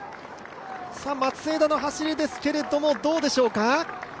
松枝の走りですけど、どうでしょうか？